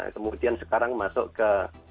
kemudian sekarang masuk ke